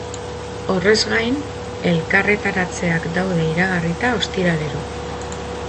Horrez gain, elkarretaratzeak daude iragarrita ostiralero.